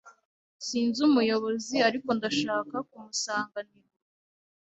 Sinzi umuyobozi ariko ndashaka kumusanganira.